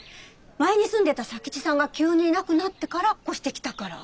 前に住んでた佐吉さんが急にいなくなってから越してきたから。